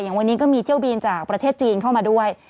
วันนี้ก็มีเที่ยวบินจากประเทศจีนเข้ามาด้วย